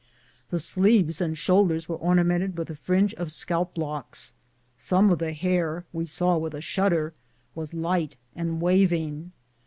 The sleeves and shoulders were ornamented with a fringe of scalp locks ; some of the hair, we saw with a shudder, was light and waving.